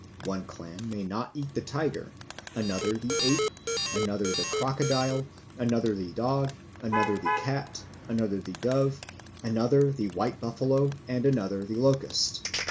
One clan may not eat the tiger, another the ape, another the crocodile, another the dog, another the cat, another the dove, another the white buffalo, and another the locust.